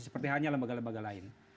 seperti halnya lembaga lembaga lain